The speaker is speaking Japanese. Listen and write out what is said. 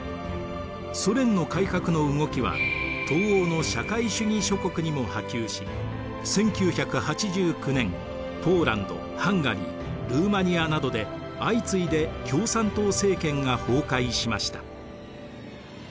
ソ連の改革の動きは東欧の社会主義諸国にも波及し１９８９年ポーランドハンガリールーマニアなどで相次いで共産党政権が崩壊しました。